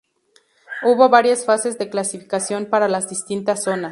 Hubo varias fases de clasificación para las distintas zonas.